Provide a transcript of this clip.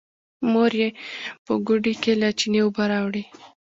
مور يې په ګوډي کې له چينې اوبه راوړې.